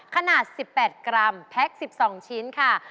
ขนาด๑๘กรัมแพ็ค๑๒ชิ้นค่ะ